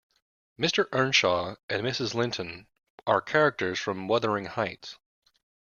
Mr Earnshaw and Mrs Linton are characters from Wuthering Heights